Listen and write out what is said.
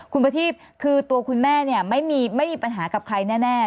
คุณประทีพคือตัวคุณแม่เนี่ยไม่มีปัญหากับใครแน่